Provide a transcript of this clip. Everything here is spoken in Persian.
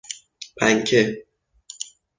پنکه